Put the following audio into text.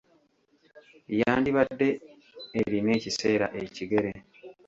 Yandibadde erina ekiseera ekigere.